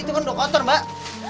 itu pun udah kotor mbak